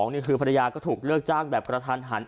นี่คือภรรยาก็ถูกเลือกจ้างแบบกระทันหัน